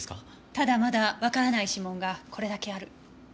ただまだわからない指紋がこれだけある。